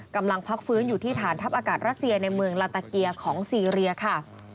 กำลังพักฟื้นอยู่ที่ฐานทัพอากาศรัสเซียในเมืองลาตาเกียของซีเรียค่ะ